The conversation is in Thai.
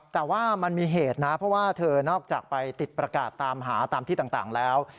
แต่ว่ามันมีเหตุนะเพราะว่าเธอนอกจากไปติดประกาศตามหาตามที่ต่างแล้ว